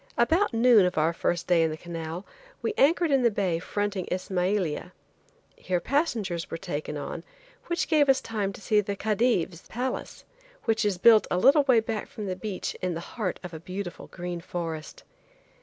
About noon of our first day in the canal we anchored in the bay fronting Ismailia. Here passengers were taken on, which gave us time to see the Khedive's palace, which is built a little way back from the beach in the heart of a beautiful green forest.